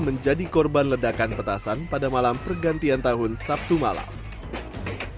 menjadi korban ledakan petasan pada malam pergantian tahun sabtu malam